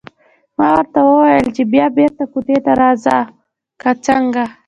ما ورته وویل چې بیا بېرته کوټې ته راځو که څنګه.